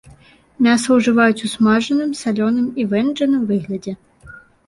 Мяса ўжываюць у смажаным, салёным і вэнджаным выглядзе.